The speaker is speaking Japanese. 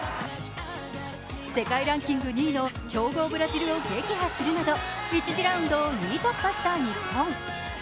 世界ランキング２位の強豪ブラジルを撃破するなど１次ラウンドを２位突破した日本。